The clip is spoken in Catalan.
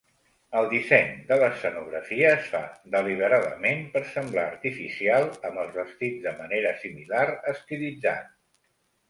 El disseny de l'escenografia es fa deliberadament per semblar artificial amb els vestits de manera similar estilitzat.